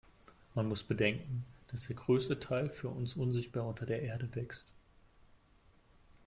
Man muss bedenken, dass der größte Teil für uns unsichtbar unter der Erde wächst.